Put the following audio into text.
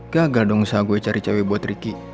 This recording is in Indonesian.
gagal dong usaha gue cari cewe buat riki